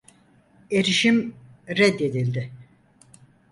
Erişim reddedildi.